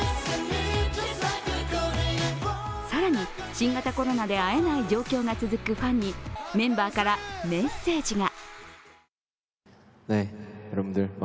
更に新型コロナで会えない状況が続くファンにメンバーからメッセージが。